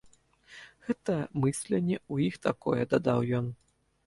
Гэта мысленне ў іх такое, дадаў ён.